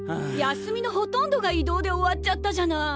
休みのほとんどが移動で終わっちゃったじゃない。